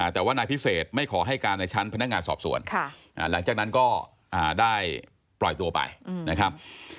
แต่ว่านายพิเศษไม่ขอให้การในชั้นพนักงานสอบสวนหลังจากนั้นก็ได้ปล่อยตัวไปนะครับ